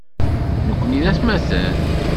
Nekni d atmaten.